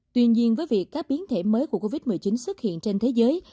tuy nhiên với việc các biến thể mới của covid một mươi chín xuất hiện trên thế giới